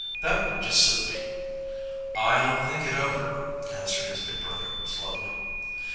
"That would just suit me." "I'll think it over," answered his big brother slowly.